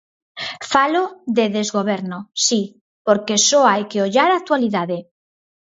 Falo de desgoberno, si, porque só hai que ollar a actualidade.